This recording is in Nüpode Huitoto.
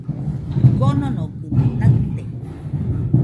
Kononogɨ naɨte.